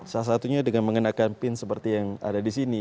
salah satunya dengan mengenakan pin seperti yang ada di sini